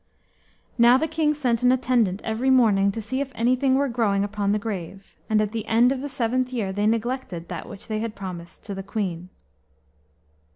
Now the king sent an attendant every morning to see if anything were growing upon the grave. And at the end of the seventh year they neglected that which they had promised to the queen.